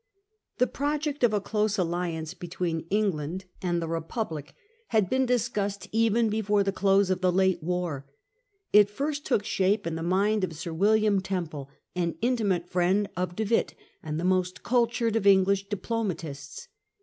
The project of a close alliance between England and the Republic had been discussed even before the close p t f °f t ^ ie l ate war *^ first took shape in the Dutch ° a mind of Sir William Temple, an intimate Sir w Ce * friend of De Witt, and the most cultured of Temple. English diplomatists.